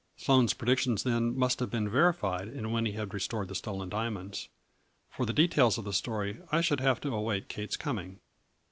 Sloane's predictions then must have been veri fied and Winnie had restored the stolen dia monds. For the details of the story I should have to await Kate's coming.